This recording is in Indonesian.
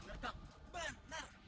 ah yang benar kang benar